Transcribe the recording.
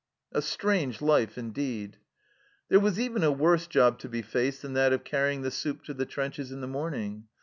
A strange life, indeed ! There was even a worse job to be faced than that of carrying the soup to the trenches in the morning.